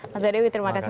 mas dewi terima kasih